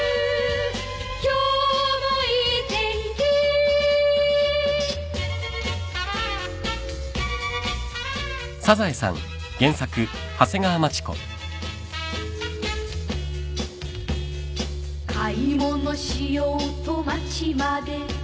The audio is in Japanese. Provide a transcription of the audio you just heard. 「今日もいい天気」「買い物しようと街まで」